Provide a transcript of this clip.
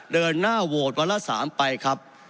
เดินหน้าโหวตวันละ๓ไปครับ